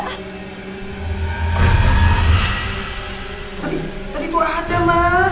tadi tadi tuh ada ma